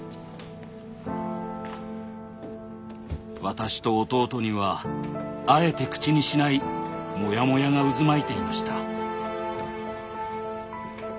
私と弟にはあえて口にしないモヤモヤが渦巻いていました。